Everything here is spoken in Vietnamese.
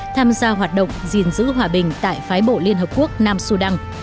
tham gia hoạt động gìn giữ hòa bình tại phái bộ liên hợp quốc nam sudan